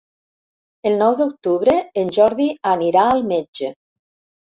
El nou d'octubre en Jordi anirà al metge.